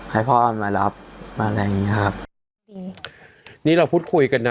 ให้พ่อออนมารับมาอะไรอย่างเงี้ยครับนี่เราพูดคุยกันนะ